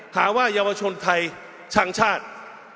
หาว่าเยาวชนไทยช่างชาติ